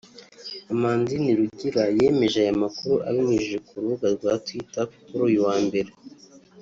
Amandin Rugira yemeje aya makuru abinyujije ku rubuga rwa Twitter kuri uyu wa Mbere